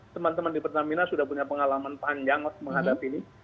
teman teman di pertamina sudah punya pengalaman panjang menghadapi ini